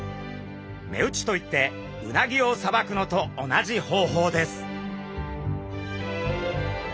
目打ちといってウナギをさばくのと同じ方法です。